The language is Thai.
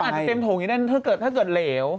อาจจะเต็มโถงอย่างนี้ได้ถ้าเกิดเหลว